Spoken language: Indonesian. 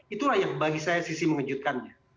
itulah yang bagi saya sisi mengejutkannya